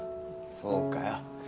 そうかよ。